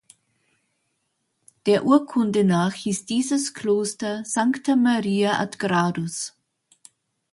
Der Urkunde nach hieß dieses Kloster "Sancta Maria ad gradus".